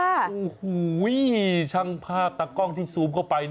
โอ้โฮเวี้ยยยยยยยยยชังภาพตากรที่สูบเข้าไป